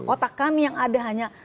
otak kami yang ada hanya